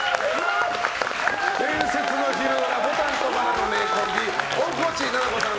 伝説の昼ドラ「牡丹と薔薇」の名コンビ大河内奈々子さん